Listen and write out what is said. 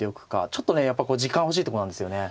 ちょっとねやっぱこう時間欲しいとこなんですよね。